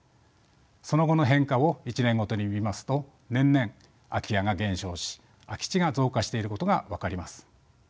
その後の変化を１年ごとに見ますと年々空き家が減少し空き地が増加していることが分かります。